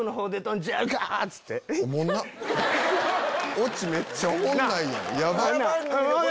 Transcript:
オチめっちゃおもんないやんヤバっ。